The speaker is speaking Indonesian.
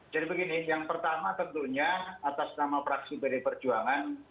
jadi begini yang pertama tentunya atas nama fraksi pd perjuangan